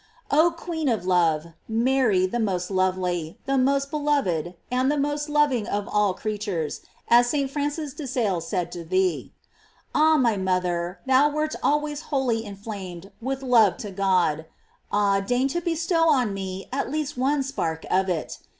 Oh queen of love, Mary, the most lovely, tha most beloved, and the most loving of all creat ures, as St. Francis de Sales said to thee: Ah, my mother, thou wert always wholly inflamed with love to God; ah, deign to bestow on me at least one spark of it.